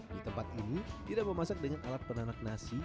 di tempat ini tidak memasak dengan alat penanak nasi